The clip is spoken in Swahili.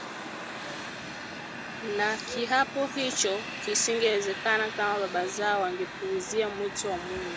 Na kiapo hicho kisingewezekana kama baba zao wangepuuzia mwito wa Mungu